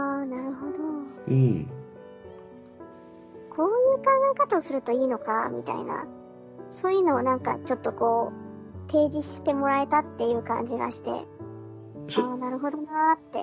こういう考え方をするといいのかみたいなそういうのを何かちょっとこう提示してもらえたっていう感じがしてああなるほどなあって。